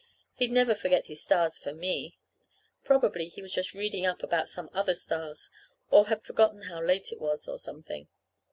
He'd never forget his stars for me! Probably he was just reading up about some other stars, or had forgotten how late it was, or something.